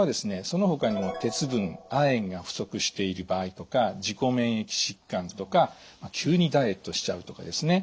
そのほかにも鉄分亜鉛が不足している場合とか自己免疫疾患とか急にダイエットしちゃうとかですね